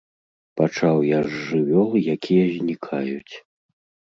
Пачаў я з жывёл, якія знікаюць.